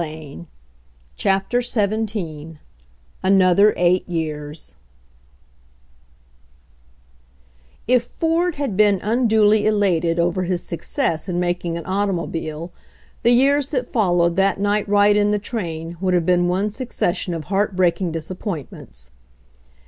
•V CHAPTER XVII ANOTHER EIGHT YEARS If Ford had been unduly elated over his suc cess in making an automobile the years that fol lowed that night ride in the rain would have been one succession of heart breaking disappoint ments.